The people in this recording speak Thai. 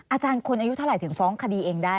อาจารย์คนอายุเท่าไหร่ถึงฟ้องคดีเองได้